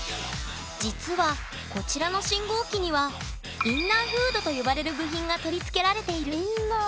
実はこちらの信号機には「インナーフード」と呼ばれる部品が取り付けられている。